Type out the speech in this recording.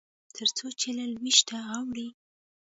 تر څو چې له لوېشته اوړي.